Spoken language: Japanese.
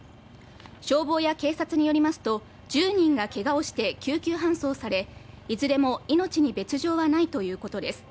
消防や警察によりますと１０人がけがをして救急搬送され、いずれも命に別条はないということです。